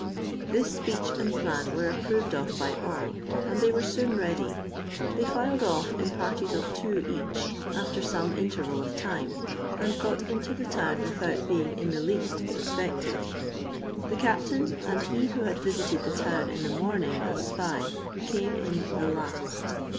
This speech and plan were approved of by all, and they were soon ready. They filed off in parties of two each, after some interval of time, and got into the town without being in the least suspected. The captain and he who had visited the town in the morning as spy, came in the last.